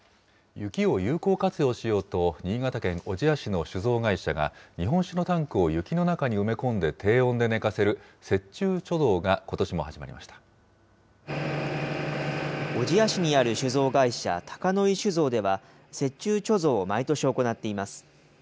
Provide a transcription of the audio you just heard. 雪を有効活用しようと、新潟県小千谷市の酒造会社が、日本酒のタンクを雪の中に埋め込んで低温で寝かせる、小千谷市にある酒造会社、高の井酒造では、雪中貯蔵を毎年行っています。